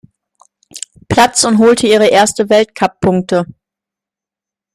Platz und holte ihre ersten Weltcuppunkte.